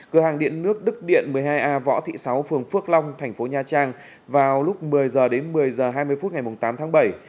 cửa hàng điện nước đức điện một mươi hai a võ thị sáu phường phước long tp nha trang vào lúc một mươi h một mươi h hai mươi phút ngày tám bảy